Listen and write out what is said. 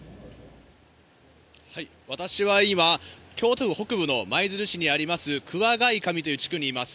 私は今、京都府北部の舞鶴市にあります桑飼上という地区にいます。